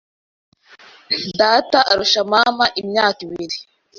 Data arusha mama imyaka ibiri. (darinmex)